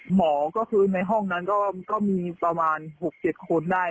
หมอก็คือในห้องนั้นก็มีประมาณ๖๗คนได้